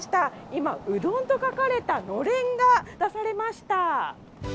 今、うどんと書かれたのれんが出されました。